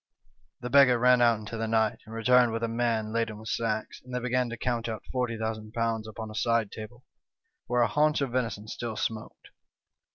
" The beggar ran out into the night, and returned with a man laden with sacks, and they began to count out ^40,000 upon a side table, where a haunch of venison still smoked.